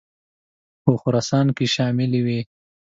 په خراسان کې شاملي وې.